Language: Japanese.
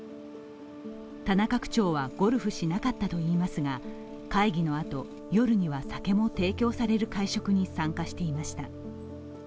田中区長はゴルフしなかったといいますが会議のあと、夜には酒も提供される会食に参加していました。